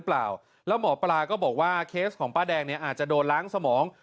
เปล่าแล้วหมอปลาก็บอกว่าเคสของป้าแดงเนี่ยอาจจะโดนล้างสมอง